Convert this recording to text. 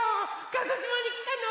鹿児島にきたの？